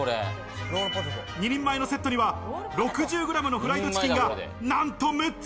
２人前のセットには６０ｇのフライドチキンが何と６つ。